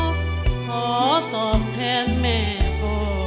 ขอตอบแทนแม่พ่อ